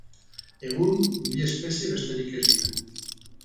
Egun, bi espezie besterik ez ditu.